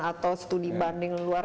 atau studi banding luar